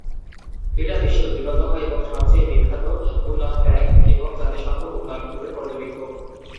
এটা বিশ্বের বৃহত্তম এবং সবচেয়ে বিখ্যাত উন্নয়ন ব্যাংক এবং জাতিসংঘ উন্নয়ন গ্রুপের পর্যবেক্ষক।